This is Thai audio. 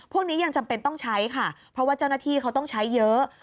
พวกนี้ยังจำเป็นต้องใช้ค่ะเพราะว่าเจ้าหน้าที่เขาต้องใช้เยอะ